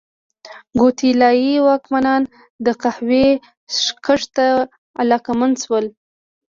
ګواتیلايي واکمنان د قهوې کښت ته علاقمند شول.